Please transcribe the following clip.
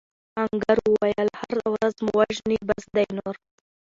آهنګر وویل هره ورځ مو وژني بس دی نور.